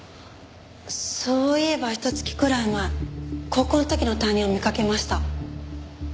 そういえばひと月くらい前高校の時の担任を見かけました。